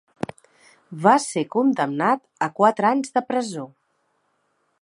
Va ser condemnat a quatre anys de presó.